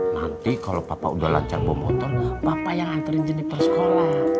nanti kalau papa udah lancar bom motor bapak yang nganterin jeniper sekolah